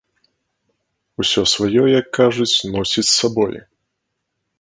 Усё сваё, як кажуць, носіць з сабой.